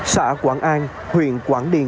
xã quảng anh huyện quảng điền